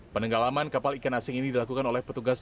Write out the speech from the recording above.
penenggalaman kapal ikan asing ini dilakukan oleh petugas